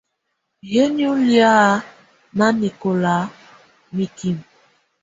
Hǝni ù lɛ̀á nanɛkɔla mikimǝ?